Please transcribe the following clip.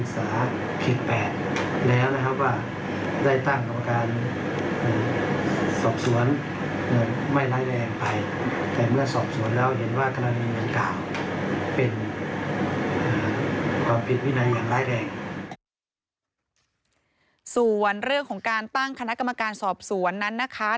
ส่วนเรื่องของการตั้งคณะกรรมการสอบสวนนั้นนะคะ